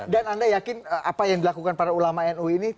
dan anda yakin apa yang dilakukan para ulama nu ini